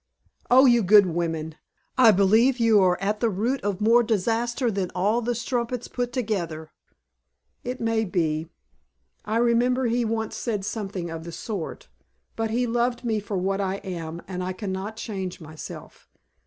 "Oh, you good women! I believe you are at the root of more disaster than all the strumpets put together!" "It may be. I remember he once said something of the sort. But he loved me for what I am and I cannot change myself."